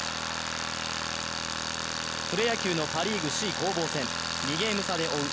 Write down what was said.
プロ野球のパ・リーグ首位攻防戦、２ゲーム差で追う